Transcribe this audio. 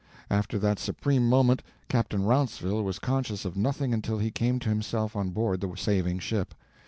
After that supreme moment Captain Rounceville was conscious of nothing until he came to himself on board the saving ship.